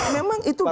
memang itu domen